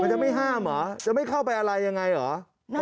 มันจะไม่ห้ามหรือจะไม่เข้าไปอะไรอย่างไรหรือ